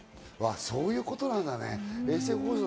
そういうことなんだね。